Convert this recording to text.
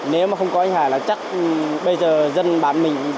nếu mà không có anh hải là chắc bây giờ dân bản mình